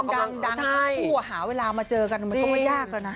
ออกกำลังดังหัวหาเวลามาเจอกันก็ไม่ยากแล้วนะ